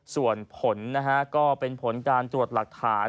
ส่วนผลนะฮะก็เป็นผลการตรวจหลักฐาน